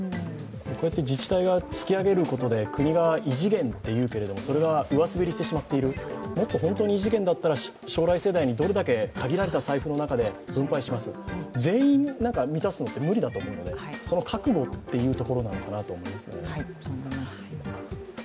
こうやって自治体が突き上げることで国が「異次元」って言うけどそれが上滑りしてしまっている、もっと本当に異次元だったら将来世代にどれだけ限られた財布の中で分配します、全員を満たすのは無理だと思うのでその覚悟というところなのかなと思いますね。